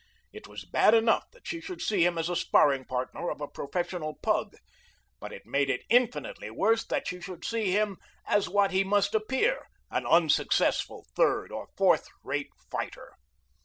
It was bad enough that she should see him as a sparring partner of a professional pug, but it made it infinitely worse that she should see him as what he must appear, an unsuccessful third or fourth rate fighter.